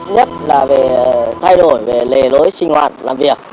nhất là về thay đổi về lề lối sinh hoạt làm việc